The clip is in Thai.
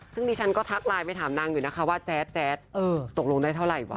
ซึ่งดิฉันก็ทักไลน์ไปถามนางอยู่นะคะว่าแจ๊ดตกลงได้เท่าไหร่วะ